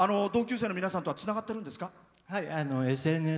同級生の皆さんとはつながってるんですか？